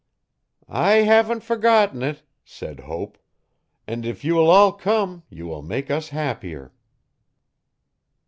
'I haven't forgotten it,' said Hope, 'and if you will all come you will make us happier.